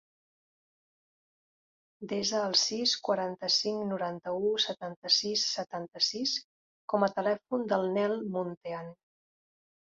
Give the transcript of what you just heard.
Desa el sis, quaranta-cinc, noranta-u, setanta-sis, setanta-sis com a telèfon del Nel Muntean.